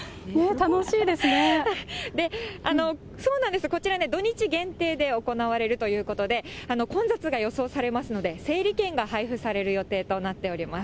そうなんですよ、こちら土日限定で行われるということで、混雑が予想されますので、整理券が配布される予定となっています。